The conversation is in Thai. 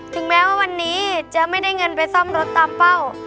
ถึงแม้ว่าวันนี้จะไม่ได้เงินไปซ่อมรถตามเป้า